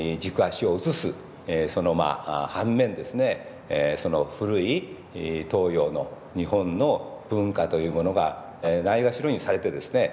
その反面ですね古い東洋の日本の文化というものがないがしろにされてですね